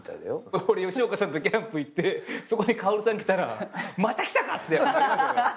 俺吉岡さんとキャンプ行ってそこに薫さん来たらまた来たか！って。